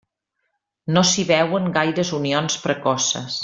No s'hi veuen gaires unions precoces.